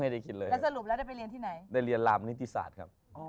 ไม่ได้คิดเลยแล้วสรุปแล้วได้ไปเรียนที่ไหนได้เรียนรามนิติศาสตร์ครับ